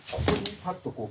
フッとこう。